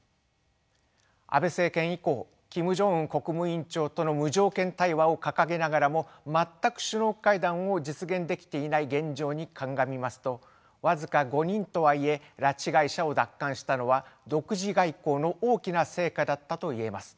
安倍政権以降キム・ジョンウン国務委員長との無条件対話を掲げながらも全く首脳会談を実現できていない現状に鑑みますと僅か５人とはいえ拉致被害者を奪還したのは独自外交の大きな成果だったといえます。